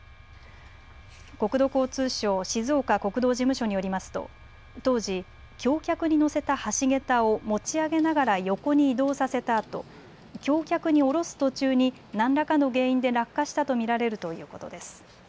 国土交通省静岡国道事務所によりますと当時、橋脚に載せた橋桁を持ち上げながら横に移動させたあと橋脚に下ろす途中に何らかの原因で落下したと見られるということです。